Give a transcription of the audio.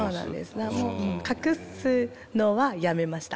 だからもう隠すのはやめました。